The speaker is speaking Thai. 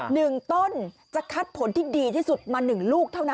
หนึ่งต้นจะคัดผลที่ดีที่สุดมาหนึ่งลูกเท่านั้น